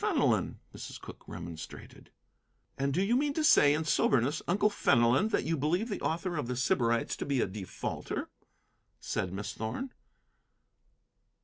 "Fenelon!" Mrs. Cooke remonstrated. "And do you mean to say in soberness, Uncle Fenelon, that you believe the author of The Sybarites to be a defaulter?" said Miss Thorn.